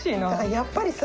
やっぱりさ。